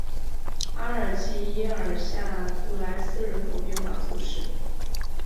阿尔济耶尔下布来斯人口变化图示